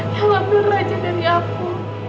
yang ambil raja dari aku